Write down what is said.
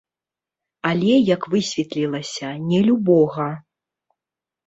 Але, як высветлілася, не любога.